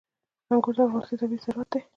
انګور د افغانستان طبعي ثروت دی.